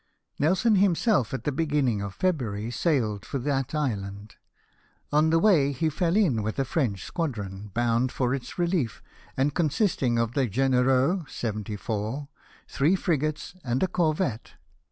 Nelson himself, at the beginning of February, sailed for that island. On the way he fell in with a French squadron, bound for its relief, and consisting of the Gdnereux, 74, three, frigates, and a corvette.